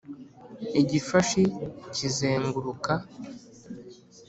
Igifashi kizenguruka,